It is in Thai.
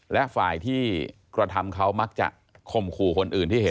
และฝ่ายที่กระทำเขามักจะคมขู่คนอื่นที่เห็น